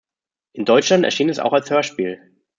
In Deutschland erschien es auch als Hörspiel.